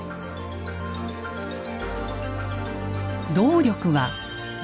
動力は水。